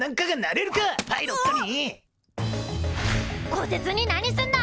こてつに何すんだ！